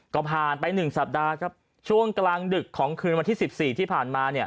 ก็ผ่านไป๑สัปดาห์ครับช่วงกลางดึกของคืนวันที่๑๔ที่ผ่านมา